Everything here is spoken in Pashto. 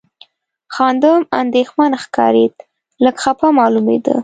خادم اندېښمن ښکارېد، لږ خپه معلومېده.